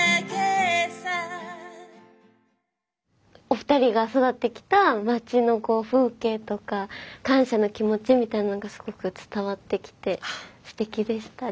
お二人が育ってきた町の風景とか感謝の気持ちみたいなのがすごく伝わってきてステキでした。